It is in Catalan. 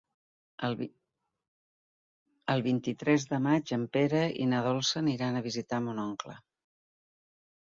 El vint-i-tres de maig en Pere i na Dolça aniran a visitar mon oncle.